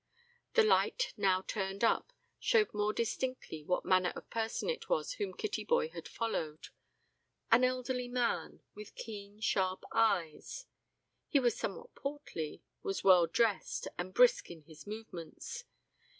The light, now turned up, showed more distinctly what manner of person it was whom Kittyboy had followed: an elderly man, with keen, sharp eyes; he was somewhat portly, was well dressed, and brisk in his movements.